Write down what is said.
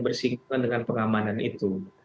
bersingkat dengan pengamanan itu